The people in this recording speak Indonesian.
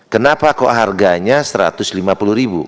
kenapa kok harganya rp satu ratus lima puluh